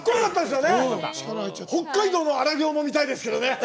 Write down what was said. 北海道の荒行も見たいですけどね。